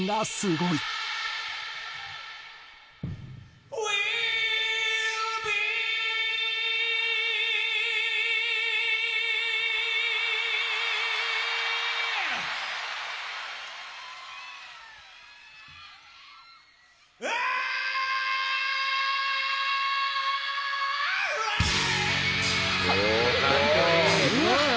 「すごいな」